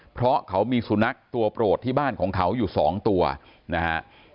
เพราะเขามีสุนัขตัวโปรดที่บ้านของเขาอยู่๒ตัวนะฮะ